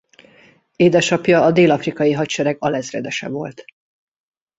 Édesapja a dél-afrikai hadsereg alezredese volt.